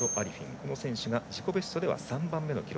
この選手が自己ベストでは３番目の記録。